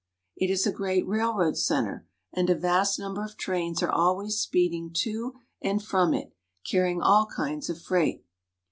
It Is a great railroad center, and a vast num ber of trains are always speeding to and from it, carrying all kinds of freight.